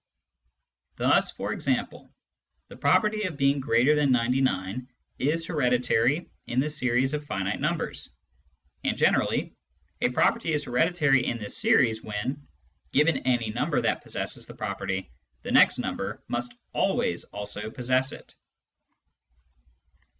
Thus, for example, the property of being greater than 99 is hereditary in the series of finite numbers ; and generally, a property is hereditary in this series when, given any number that possesses the property, the next number must always also possess it.